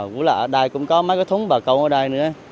với lại ở đây cũng có mấy cái thúng bà câu ở đây nữa